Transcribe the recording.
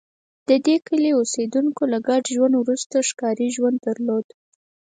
د دې کلي اوسېدونکي له ګډ ژوند وروسته ښکاري ژوند درلود